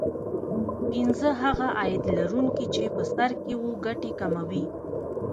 پینځه هغه عاید لرونکي چې په سر کې وو ګټې کموي